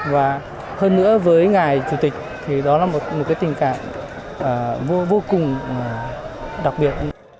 và hơn nữa với ngài chủ tịch thì đó là một cái tình cảm vô cùng đặc biệt